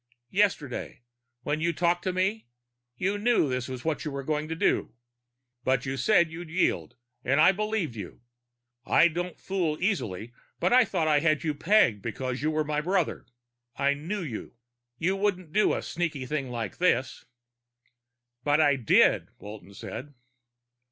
"Yesterday, when you talked to me, you knew this was what you were going to do. But you said you'd yield, and I believed you! I don't fool easy, but I thought I had you pegged because you were my brother. I knew you. You wouldn't do a sneaky thing like this." "But I did," Walton said.